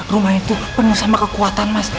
rumah itu penuh sama kekuatan mas